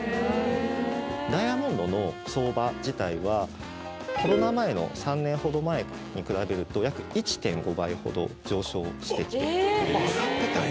ダイヤモンドの相場自体はコロナ前の３年ほど前に比べると約１．５倍ほど上昇してきております